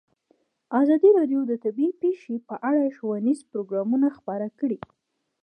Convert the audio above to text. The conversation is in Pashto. ازادي راډیو د طبیعي پېښې په اړه ښوونیز پروګرامونه خپاره کړي.